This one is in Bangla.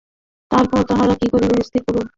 তারপর তাহারা কি করিবে, স্থির করুক।